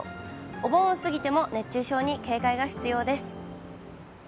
お盆を過ぎても熱中症に警戒が必要です。